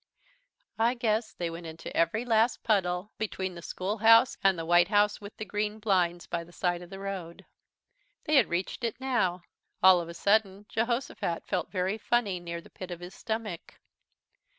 I guess they went into every last puddle between the schoolhouse and the White House with the Green Blinds by the side of the road. They had reached it now. All of a sudden Jehosophat felt very funny near the pit of his stomach.